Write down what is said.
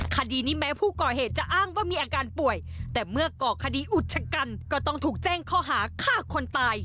คดีนี้แม้ผู้ก่อเหตุจะอ้างว่ามีอาการป่วยแต่เมื่อก่อคดีอุชกันก็ต้องถูกแจ้งข้อหาฆ่าคนตาย